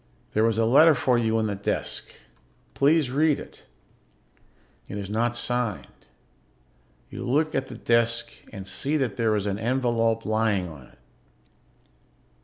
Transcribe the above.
There is a letter for you on the desk. Please read it. It is not signed. You look at the desk and see that there is an envelope lying on it.